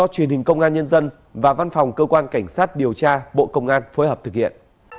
truyền hình công an nhân dân và văn phòng cơ quan cảnh sát điều tra bộ công an phối hợp thực hiện